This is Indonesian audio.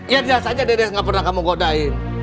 ya biasa saja dedeknya gak pernah kamu godain